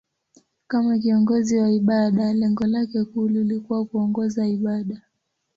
Kama kiongozi wa ibada, lengo lake kuu lilikuwa kuongoza ibada.